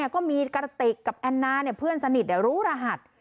ก็มีกระติกกับแอนนาเพื่อนสนิทรู้รหัส